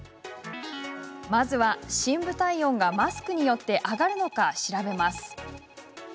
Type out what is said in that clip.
まずは深部体温がマスクによって上がるのか、調べます。